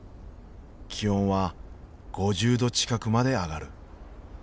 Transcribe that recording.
気温は５０度近くまで上がる。